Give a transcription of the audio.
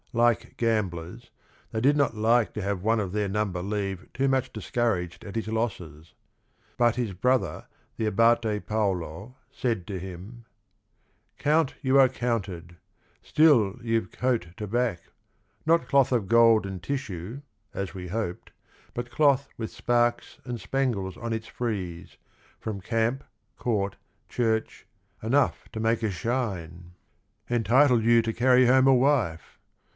Like gamblers they did not like to have one of their number leave too much discouraged at his losses. But his brother, the Abate Paolo, said to him :—"""""*!' 'Count you are counted; still you 've coat to back, Not cloth of gold and tissue, as we hoped, But cloth with sparks and spangles on its frieze From Camp, Court, Church, enough to make a shine. COUNT GUIDO FRANCESCHINI 59 Entitle you to carry home a wife.